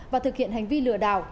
và thực hiện hành vi lừa đảo